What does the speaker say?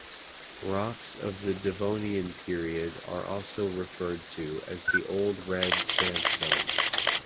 Rocks of the Devonian Period are also referred to as the Old Red Sandstone.